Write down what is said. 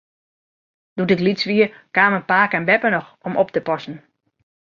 Doe't ik lyts wie, kamen pake en beppe noch om op te passen.